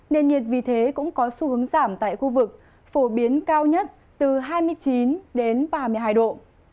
nền nhiệt vì thế cũng có xu hướng giảm tại khu vực phổ biến cao nhất từ hai mươi chín đến ba mươi hai độ